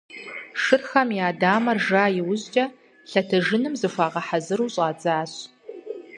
Шырхэм я дамэр жа иужькӀэ, лъэтэным зыхуагъэхьэзыру щӀадзащ.